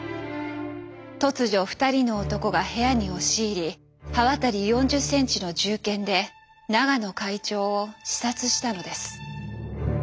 突如２人の男が部屋に押し入り刃渡り４０ｃｍの銃剣で永野会長を刺殺したのです。